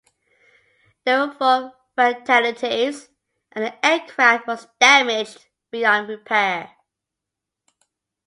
There were four fatalities, and the aircraft was damaged beyond repair.